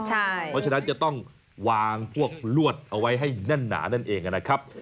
เพราะฉะนั้นจะต้องวางพวกลวดเอาไว้ให้แน่นหนานั่นเองนะครับ